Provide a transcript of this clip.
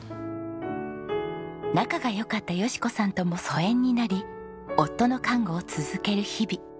仲が良かった佳子さんとも疎遠になり夫の看護を続ける日々。